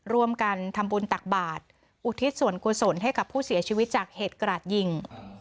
ร่วมกันทำบุญตักบาทอุทิศส่วนกุศลให้กับผู้เสียชีวิตจากเหตุกราดยิง